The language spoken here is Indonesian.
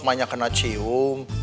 mana kena cium